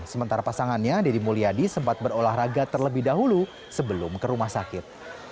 sementara pasangannya deddy mulyadi sempat berolahraga terlebih dahulu sebelum ke rumah sakit